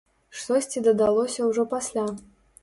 Штосьці дадалося ўжо пасля.